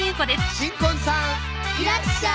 新婚さんいらっしゃい！